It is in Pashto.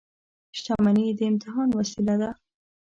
• شتمني د امتحان وسیله ده.